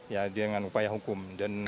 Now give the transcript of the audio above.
ya dengan upaya hukum